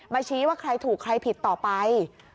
ชี้ว่าใครถูกใครผิดต่อไป